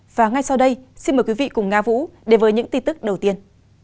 và ngay sau đây xin mời quý vị cùng nga vũ đến với những tin tức đầu tiên